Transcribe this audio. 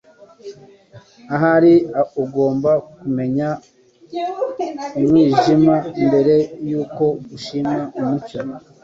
Ahari ugomba kumenya umwijima mbere yuko ushima umucyo.”